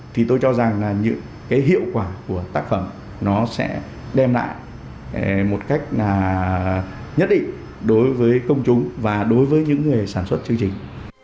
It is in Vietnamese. thì tôi cho rằng là những cái hiệu quả của tác phẩm nó sẽ đem lại một cách nhất định đối với công chúng và đối với những người sản xuất chương trình